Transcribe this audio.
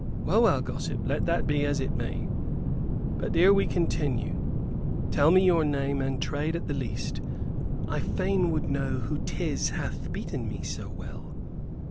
"Well, well, gossip, let that be as it may. But ere we continue, tell me your name and trade, at the least. I fain would know who 'tis who hath beaten me so well."